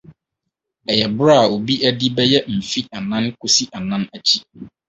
Ɛyɛ bere a obi adi bɛyɛ mfe anan kosi anan akyi.